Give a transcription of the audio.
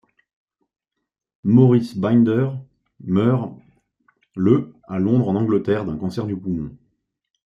Maurice Binder meurt le à Londres en Angleterre d'un cancer du poumon.